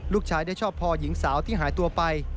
ลูกชายได้ชอบพอหญิงสาวที่หายตัวไป